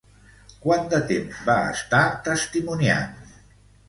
Quant de temps va estar testimoniant?